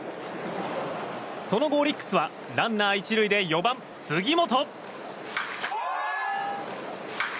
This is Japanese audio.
その後、オリックスはランナー１塁で４番、杉本。